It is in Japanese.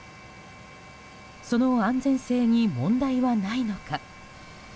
その安全性に問題はないのか。